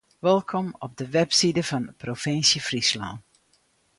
Wolkom op de webside fan de provinsje Fryslân.